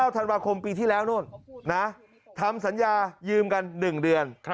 ธันวาคมปีที่แล้วนู่นทำสัญญายืมกัน๑เดือน